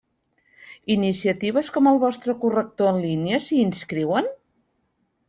Iniciatives com el vostre corrector en línia s'hi inscriuen?